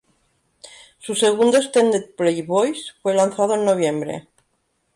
Su segundo extended play Voice fue lanzado en noviembre.